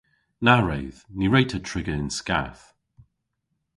Na wredh! Ny wre'ta triga yn skath.